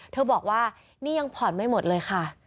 เธอบอกว่านี่ยังผ่อนไม่หมดเลยค่ะ